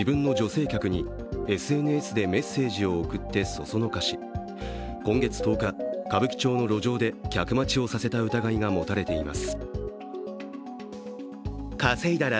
江川容疑者は自分の女性客にＳＮＳでメッセージを送ってそそのかし今月１０日、歌舞伎町の路上で客待ちをさせた疑いが持たれています。